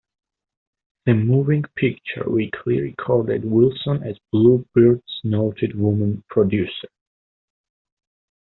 The Moving Picture Weekly recorded Wilson as Bluebird's noted woman producer.